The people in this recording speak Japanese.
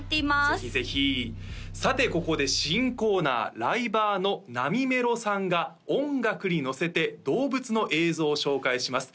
ぜひぜひさてここで新コーナーライバーのなみめろさんが音楽にのせて動物の映像を紹介します